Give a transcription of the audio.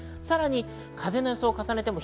さらに風の予想です。